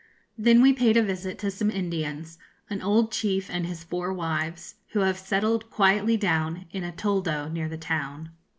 Then we paid a visit to some Indians an old chief and his four wives, who have settled quietly down in a toldo near the town.